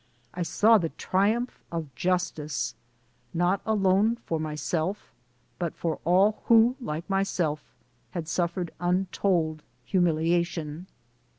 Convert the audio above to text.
I saw the triumph of Justice, not alone for myself, but for all who, like myself, had suffered untold humiliation.